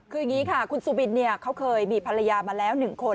คืออย่างนี้ค่ะคุณสุบินเขาเคยมีภรรยามาแล้ว๑คน